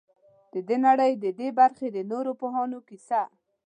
د نړۍ د دې برخې د نورو پوهانو کیسه.